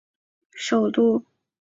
扶余郡是古百济国的首都。